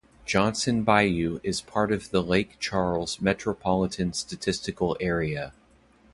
Johnson Bayou is part of the Lake Charles Metropolitan Statistical Area.